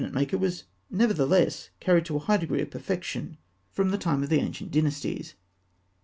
] The art of the cabinet maker was nevertheless carried to a high degree of perfection, from the time of the ancient dynasties.